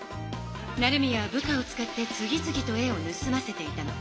成宮は部下を使って次つぎと絵をぬすませていたの。